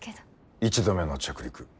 １度目の着陸。